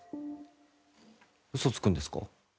うそつくんですか？